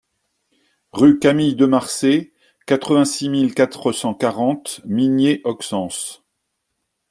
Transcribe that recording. Rue Camille Demarçay, quatre-vingt-six mille quatre cent quarante Migné-Auxances